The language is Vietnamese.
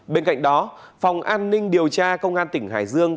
bên cạnh đó phòng an ninh điều tra công an tỉnh hải dương